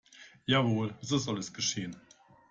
Jawohl, so soll es geschehen.